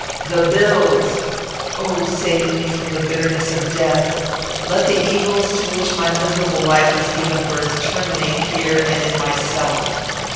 "The bills oh, save me from the bitterness of death! Let the evils to which my miserable life has given birth terminate here and in myself.